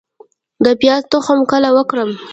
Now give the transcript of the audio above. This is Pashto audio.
د پیاز تخم کله وکرم؟